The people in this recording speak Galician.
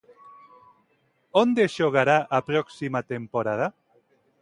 Onde xogará a próxima temporada?